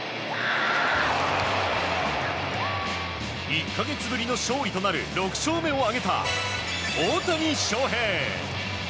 １か月ぶりの勝利となる６勝目を挙げた、大谷翔平。